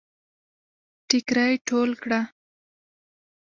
ټيکړی ټول کړه